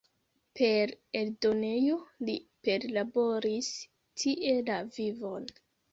Per eldonejo li perlaboris tie la vivon.